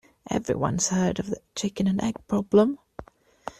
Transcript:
Everyone has heard of the chicken and egg problem.